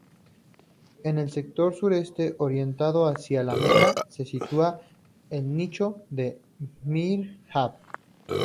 En el sector sureste, orientado hacia la Meca, se sitúa el nicho del mihrab.